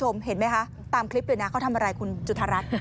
เห็นไหมคะตามคลิปเลยนะเขาทำอะไรคุณจุธารัฐ